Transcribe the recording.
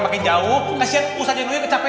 makin jauh kesian ustadz januyunya kecapean